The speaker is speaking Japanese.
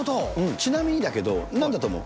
ちなみにだけど、なんだと思う？